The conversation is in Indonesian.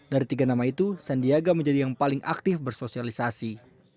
dari tiga nama itu sandiaga menjadi yang paling aktif bersosialisasi